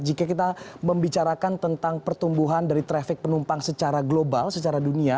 jika kita membicarakan tentang pertumbuhan dari traffic penumpang secara global secara dunia